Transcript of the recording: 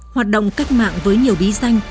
hoạt động cách mạng với nhiều bí danh